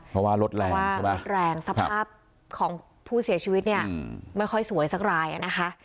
เพราะว่ารถแรงใช่ไหมรถแรงสภาพของผู้เสียชีวิตเนี่ยไม่ค่อยสวยสักรายนะคะ